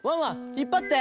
ひっぱって！